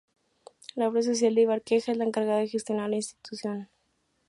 La Obra Social de Ibercaja es la encargada de gestionar la institución.